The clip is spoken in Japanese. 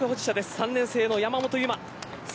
３年生の山本有真。